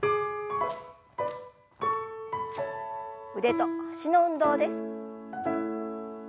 腕と脚の運動です。